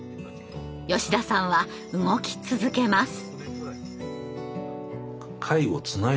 吉田さんは動き続けます。